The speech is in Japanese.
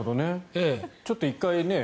ちょっと１回。